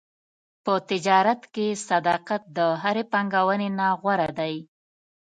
په تجارت کې صداقت د هرې پانګونې نه غوره دی.